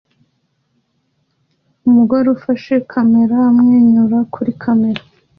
Umugore ufashe kamera amwenyura kuri kamera